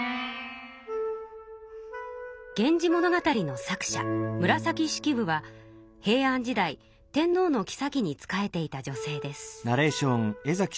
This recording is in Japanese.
「源氏物語」の作者平安時代天のうのきさきに仕えていた女性です。